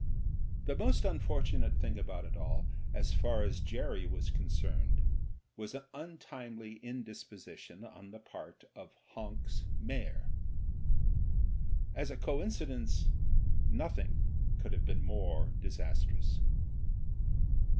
The most un fortunate thing about it all, as far as Jerry was con cerned, was an tmtimely indisposition on the part of Honks mere. As a coincidence nothing could have been more disastrous.